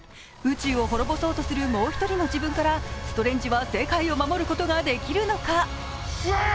宇宙を滅ぼそうとするもう一人の自分からストレンジは世界を救うことができるのか。